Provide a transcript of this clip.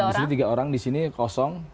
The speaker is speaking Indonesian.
disini tiga orang disini kosong